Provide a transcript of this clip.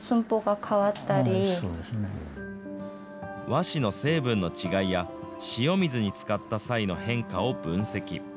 和紙の成分の違いや、塩水につかった際の変化を分析。